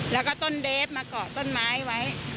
แล้วก็ต้นเดฟมาเกาะต้นไม้ไว้